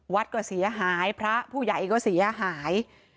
วัดก็เสียหายพระผู้ใหญ่ก็เสียหาย